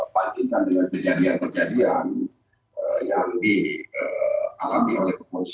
bagikan dengan kejadian kejadian yang dialami oleh kompolnas